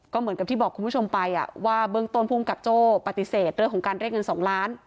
ก็เหมือนกับที่บอกคุณผู้ชมไปว่าเบื้องต้นภูมิกับโจ้ปฏิเสธเรื่องของการเรียกเงิน๒ล้าน